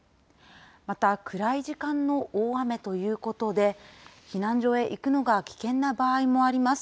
また、暗い時間の大雨ということで、避難所に行くのが危険な場合もあります。